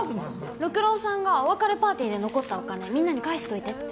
六郎さんがお別れパーティーで残ったお金みんなに返しといてって。